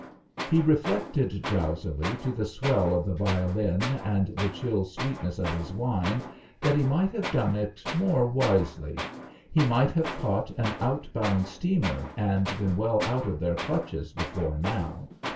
He reflected drowsily, to the swell of the violin and the chill sweetness of his wine, that he might have done it more wisely. He might have caught an outbound steamer and been well out of their clutches before now.